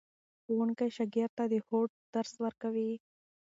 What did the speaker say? ښوونکی شاګرد ته د هوډ درس ورکوي.